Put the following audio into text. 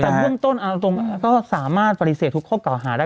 แต่เบื้องต้นเอาตรงก็สามารถปฏิเสธทุกข้อเก่าหาได้